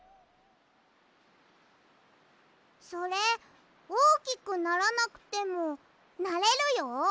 それおおきくならなくてもなれるよ。